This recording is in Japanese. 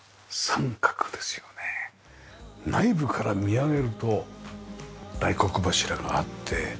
内部から見上げると大黒柱があって。